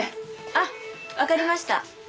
あっわかりました。